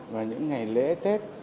và những ngày lễ tết